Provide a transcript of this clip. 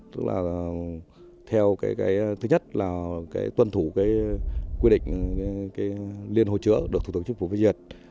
tức là theo thứ nhất là tuân thủ quy định liên hồ chứa được thủ tướng chức phủ phê duyệt